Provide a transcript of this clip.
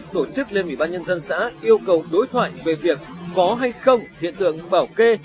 tổ chức lên ủy ban nhân dân xã yêu cầu đối thoại về việc có hay không hiện tượng bảo kê